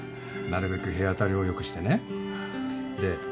なるべく日当たりを良くしてねで